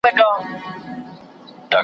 زما یې په نصیب لیکلی دار دی بیا به نه وینو .